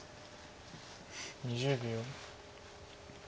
２０秒。